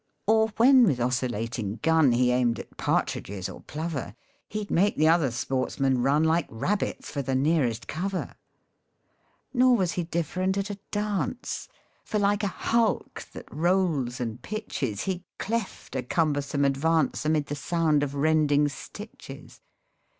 83 MEN I MIGHT HAVE MARRIED Or when with oscillating gun He aimed at partridges or plover, He'd make the other sportsmen run Like rabbits for the nearest cover. Nor was he different at a dance For like a hulk that rolls and pitches, He cleft a cumbersome advance Amid the sound of rending stitches.